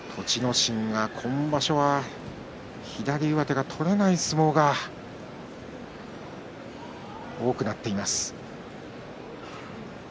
心が今場所は左上手が取れない相撲が多くなっています。